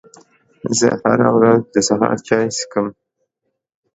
زه هره ورځ د سهار چای څښم